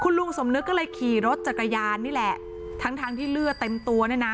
ลุงสมนึกก็เลยขี่รถจักรยานนี่แหละทั้งทั้งที่เลือดเต็มตัวเนี่ยนะ